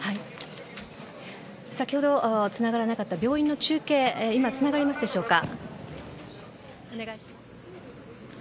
先ほどつながらなかった病院の中継今つながりますでしょうか。